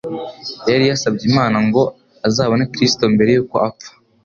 Yari yasabye Imana ngo azabone Kristo mbere y'uko apfa,